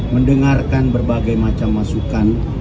mendengarkan berbagai macam masukan